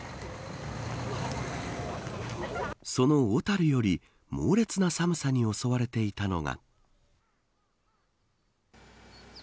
その小樽より猛烈な寒さに襲われていたのが。